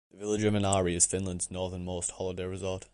The village of Inari is Finland's northernmost holiday resort.